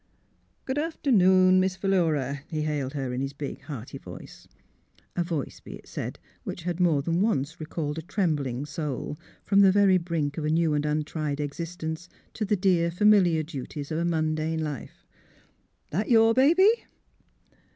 ^' Good afternoon, Miss Philura," he hailed her in his big, hearty voice — a voice, be it said, which had more than once recalled a trembling soul from the very brink of a new and untried existence to the dear, familiar duties of a mundane life —^' that your baby?